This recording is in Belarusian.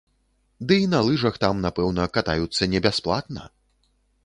Ды і на лыжах там, напэўна, катаюцца не бясплатна!